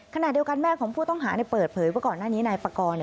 ขณะเดียวกันแม่ของผู้ต้องหาเปิดเผยว่าก่อนหน้านี้นายปากร